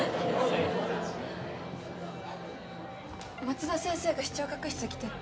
松田先生が視聴覚室来てって。